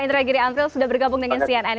indra giri april sudah bergabung dengan cnn